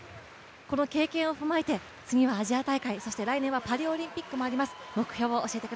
この経験を踏まえて、次はアジア大会、パリオリンピックもあります。